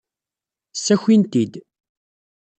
Ssakin-t-id.